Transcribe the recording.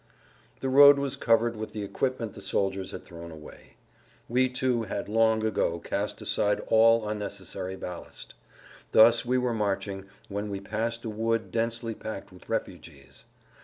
The road was covered with the equipment the soldiers had thrown away. We, too, had long ago cast aside all unnecessary ballast. Thus we were marching, when we passed a wood densely packed with refugees.